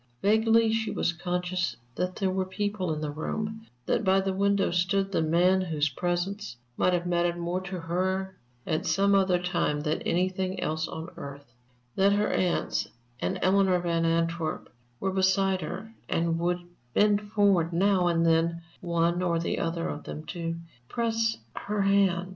Vaguely she was conscious that there were people in the room, that by the window stood the man whose presence might have mattered more to her at some other time than anything else on earth; that her aunts and Eleanor Van Antwerp were beside her, and would bend forward now and then, one or other of them, to press her hand.